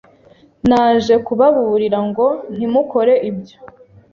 Naje kubaburira ngo ntimukore ibyo.